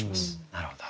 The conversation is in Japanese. なるほど。